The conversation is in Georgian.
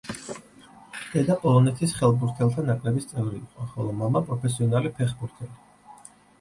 დედა პოლონეთის ხელბურთელთა ნაკრების წევრი იყო, ხოლო მამა პროფესიონალი ფეხბურთელი.